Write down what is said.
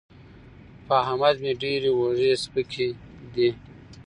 په احمد مې ډېرې اوږې سپکې دي.